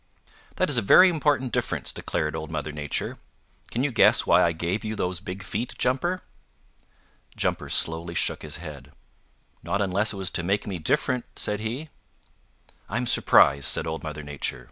"That is a very important difference," declared Old Mother Nature. "Can you guess why I gave you those big feet, Jumper?" Jumper slowly shook his head. "Not unless it was to make me different," said he. "I'm surprised," said Old Mother Nature.